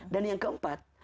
dan yang keempat